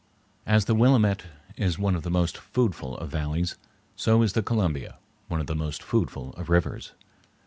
As the Willamette is one of the most foodful of valleys, so is the Columbia one of the most foodful of rivers.